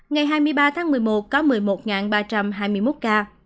ngày hai mươi ba tháng một mươi một có một mươi một ba trăm hai mươi một ca